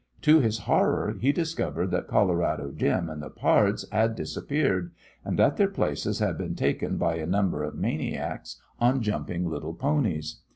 To his horror he discovered that Colorado Jim and the pards had disappeared, and that their places had been taken by a number of maniacs on jumping little ponies.